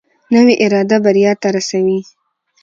نوې اراده بریا ته رسوي